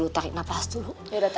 yaudah tarik nafas dulu